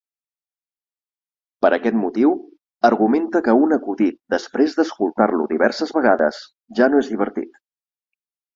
Per aquest motiu, argumenta que un acudit, després d'escoltar-lo diverses vegades, ja no és divertit.